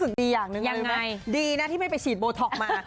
แซมมากเลยอ่ะยังไงดีนะที่ไม่ไปฉีดโบท็อกมา